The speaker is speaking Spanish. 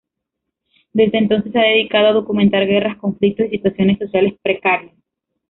Desde entonces, se ha dedicado a documentar guerras, conflictos y situaciones sociales precarias.